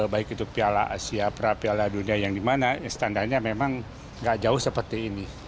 baik itu piala asia pra piala dunia yang dimana standarnya memang tidak jauh seperti ini